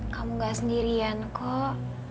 kamu nggak sendirian kok